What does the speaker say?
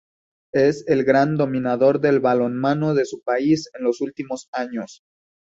Es el gran dominador del balonmano de su país en los últimos años.